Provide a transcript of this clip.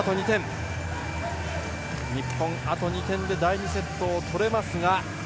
日本、あと２点で第２セットを取れますが。